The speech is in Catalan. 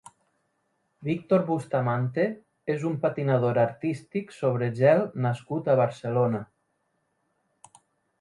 Victor Bustamante és un patinador artístic sobre gel nascut a Barcelona.